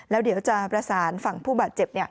แล้วเดี๋ยวจะประสานฝั่งผู้บาดเจ็บ